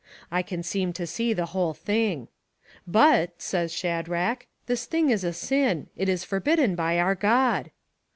I can seem to see the whole thing. ' But,' says Shadrach, ' this thing is a sin ; it is for bidden by our God.'